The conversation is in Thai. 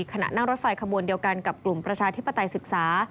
ขณะนั่งรถไฟขบวนเดียวกันกับกลุ่มประชาธิปไตยศึกษา